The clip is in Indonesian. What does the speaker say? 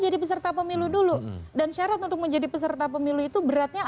jadi nggak fair menurut saya